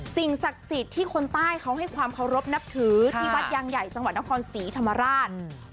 สิ่งศักดิ์สิทธิ์ที่คนใต้เขาให้ความเคารพนับถือที่วัดยางใหญ่จังหวัดนครศรีธรรมราช